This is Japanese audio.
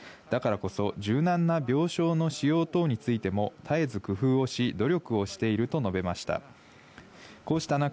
だからこそ、柔軟な病床の使用等についても、絶えず工夫をし、努力をしていると述べました。